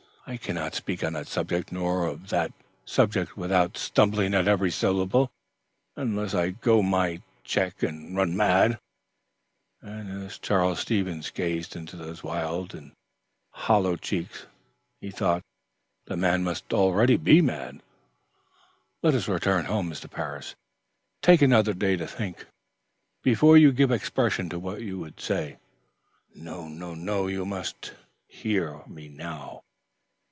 I cannot speak on that subject nor of that subject without stumbling at every syllable, unless I let go my check and run mad;" and as Charles Stevens gazed into those wild eyes and hollow cheeks, he thought the man must already be mad. "Let us return home, Mr. Parris. Take another day to think, before you give expression to what you would say." "No, no; you must hear me now!